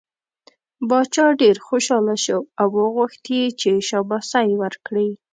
باچا ډېر خوشحاله شو او وغوښت یې چې شاباسی ورکړي.